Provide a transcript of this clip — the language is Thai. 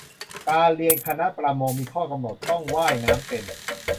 การเรียนคณะประมง มีข้อกำหนดต้องว่ายน้ำเป็น